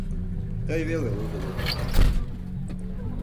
— Тый веле лудын отыл...